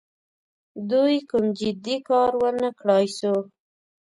دوی کوم جدي کار ونه کړای سو.